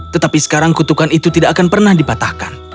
tetapi sekarang kutukan itu tidak akan pernah dipatahkan